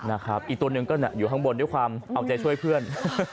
อีกตัวหนึ่งก็อยู่ข้างบนด้วยความเอาใจช่วยเพื่อน